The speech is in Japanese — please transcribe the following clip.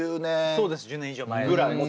そうです１０年以上前。